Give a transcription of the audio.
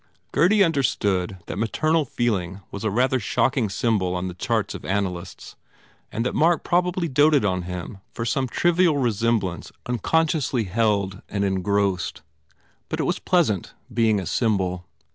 Gurdy understood that maternal feeling was a rather shocking symbol on the charts of analysts and that Mark probably doted on him for some trivial resemblance unconsciously held and en grossed. But it was pleasant, being a symbol.